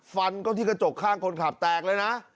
ฟันเข้าที่กระจกข้างคนขับแตกเลยนะ